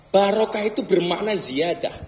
barokah itu bermakna ziadah